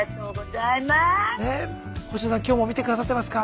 今日も見てくださってますか？